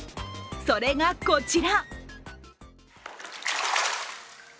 それがこちら。